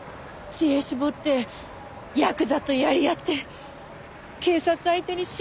知恵絞ってヤクザとやり合って警察相手に芝居まで打った。